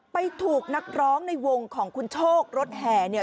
ถูกนักร้องในวงของคุณโชครถแห่เนี่ย